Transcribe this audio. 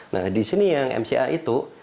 nah di sini yang mca itu